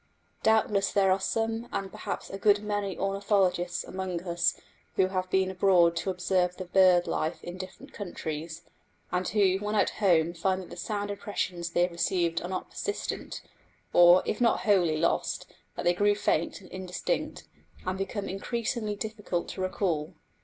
Doubtless there are some and perhaps a good many ornithologists among us who have been abroad to observe the bird life of distant countries, and who when at home find that the sound impressions they have received are not persistent, or, if not wholly lost, that they grow faint and indistinct, and become increasingly difficult to recall.